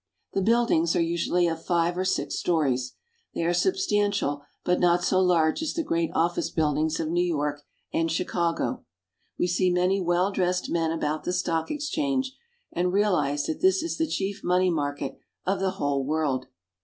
The buildings are usually of five or six stories. They are substantial, but not so large as the great office buildings of New York and Chicago. We see many well dressed men about the stock exchange, and realize that this is the chief money market of the whole world.